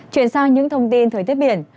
chuyển sang những thông tin thời tiết biển